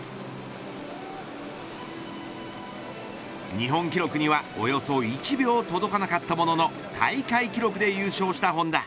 日本記録にはおよそ１秒届かなかったものの大会記録で優勝した本多。